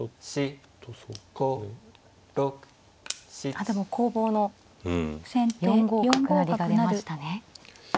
あっでも攻防の４五角成が出ましたね。